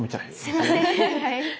すいませんはい。